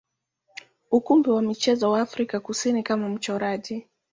ukumbi wa michezo wa Afrika Kusini kama mchoraji.